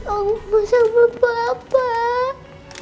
aku mau sambil bapak